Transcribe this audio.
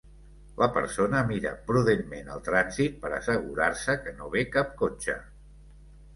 La persona mira prudentment el trànsit per assegurar-se que no ve cap cotxe.